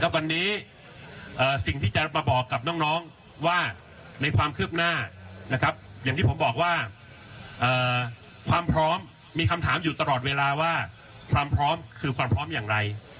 วันนี้สิ่งที่จะมาบอกกับน้องว่าในความคืบหน้านะครับอย่างที่ผมบอกว่าความพร้อมมีคำถามอยู่ตลอดเวลาว่าความพร้อมคือความพร้อมอย่างไร